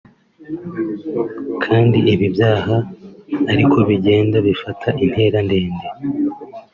kandi ibi byaha ari ko bigenda bifata intera ndende